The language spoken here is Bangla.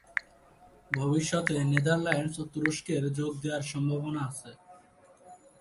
ভবিষ্যতে নেদারল্যান্ডস ও তুরস্কের যোগ দেওয়ার সম্ভাবনা আছে।